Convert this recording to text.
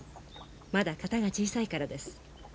まだ型が小さいからです。